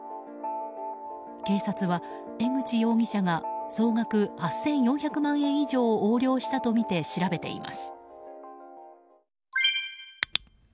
警察は、江口容疑者が総額８４００万円以上を横領したとみて調べています。